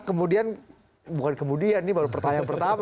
kemudian bukan kemudian ini baru pertanyaan pertama